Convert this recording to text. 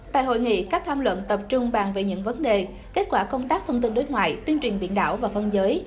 tại hội nghị các tham luận tập trung bàn về những vấn đề kết quả công tác thông tin đối ngoại tuyên truyền biển đảo và phân giới